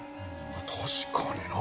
確かにな。